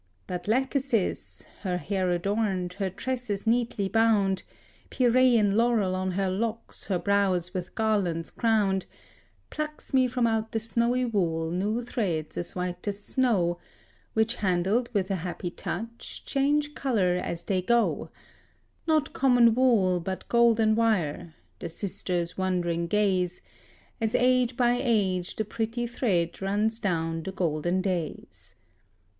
But Lachesis, her hair adorned, her tresses neatly bound, Pierian laurel on her locks, her brows with garlands crowned, Plucks me from out the snowy wool new threads as white as snow, Which handled with a happy touch change colour as they go, Not common wool, but golden wire; the Sisters wondering gaze, As age by age the pretty thread runs down the golden days.